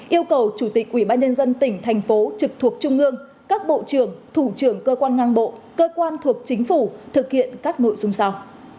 yêu cầu chủ tịch ủy ban nhân dân tỉnh thành phố trực thuộc trung ương các bộ trưởng thủ trưởng cơ quan ngang bộ cơ quan thuộc chính phủ thực hiện các nội dung sau